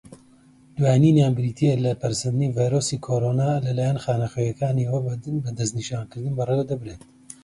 دوایینیان بریتییە لە، پەرەسەندنی ڤایرۆسی کۆڕۆنا لەلایەن خانەخوێنەکانییەوە بە دەستنیشانکردن بەڕێوەدەبردێت.